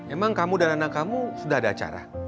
emang kamu dan anak kamu sudah ada acara